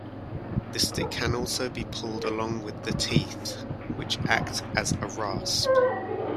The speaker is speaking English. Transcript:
The stick can also be pulled along the teeth which act as a rasp.